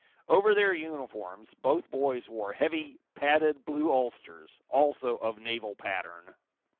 Over their uniforms both boys wore heavy, padded blue ulsters, also of naval pattern.